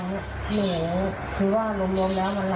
หนูจะอยู่พ่อหน้า